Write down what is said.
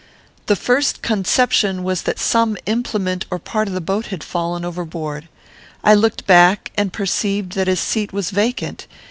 The first conception was that some implement or part of the boat had fallen over board. I looked back and perceived that his seat was vacant.